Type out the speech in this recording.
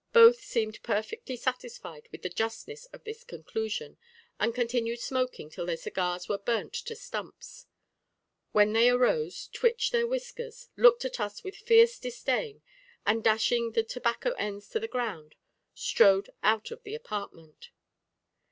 Both seemed perfectly satisfied with the justness of this conclusion, and continued smoking till their cigars were burnt to stumps, when they arose, twitched their whiskers, looked at us with fierce disdain, and dashing the tobacco ends to the ground, strode out of the apartment.